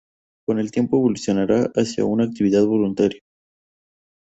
Con el tiempo evolucionará hacia una actividad voluntaria.